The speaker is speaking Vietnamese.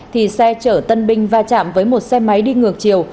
thì xe chở tân binh va chạm với một xe máy đi ngược chiều